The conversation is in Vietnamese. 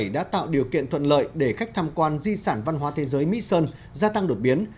đã tạo điều kiện thuận lợi để khách tham quan di sản văn hóa thế giới mỹ sơn gia tăng đột biến